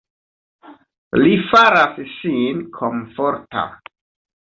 Li faras sin komforta.